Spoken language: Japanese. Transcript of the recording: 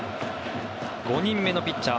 ５人目のピッチャー。